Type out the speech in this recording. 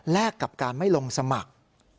กับการไม่ลงสมัคร